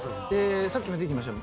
さっきも出てきました